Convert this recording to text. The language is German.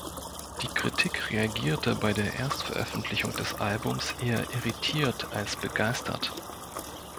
Die Kritik reagierte bei der Erstveröffentlichung des Albums eher irritiert als begeistert.